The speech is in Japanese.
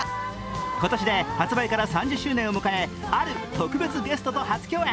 今年で発売から３０周年を迎えある特別ゲストと初共演。